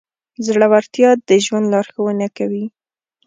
زړهورتیا د ژوند لارښوونه کوي.